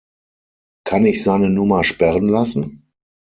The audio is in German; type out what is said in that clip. Kann ich seine Nummer sperren lassen?